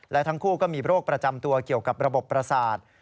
และทั้งคู่ก็มีโรคประจำตัวเกี่ยวกับระบบประสาท